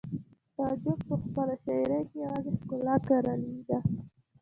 تعجب په خپله شاعرۍ کې یوازې ښکلا کرلې ده